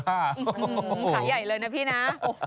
ขาใหญ่เลยนะพี่นะ